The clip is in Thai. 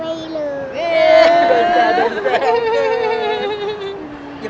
เดี๋ยวป๊าจะรู้มั้ยคะ